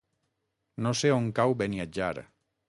No sé on cau Beniatjar.